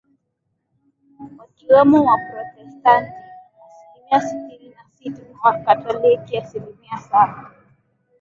wakiwemo Waprotestanti asilimia sitini na sita na Wakatoliki asilimia saba